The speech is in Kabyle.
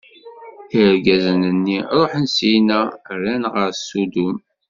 Irgazen-nni ṛuḥen syenna, rran ɣer Sudum.